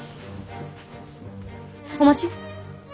お待ち！